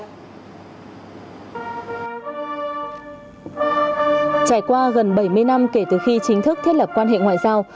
trải qua gần bảy mươi năm kể từ khi chính thức thiết lập quan hệ ngoại giao